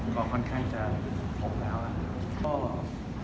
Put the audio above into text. ก็ค่อนข้างจะพร้อมแล้วนะครับ